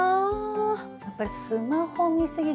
やっぱりスマホ見過ぎで。